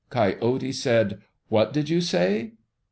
Coyote said, "What did you say?"